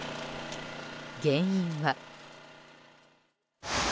原因は。